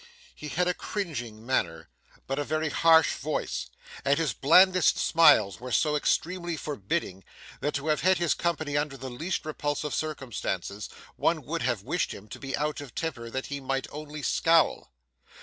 He had a cringing manner, but a very harsh voice; and his blandest smiles were so extremely forbidding, that to have had his company under the least repulsive circumstances, one would have wished him to be out of temper that he might only scowl.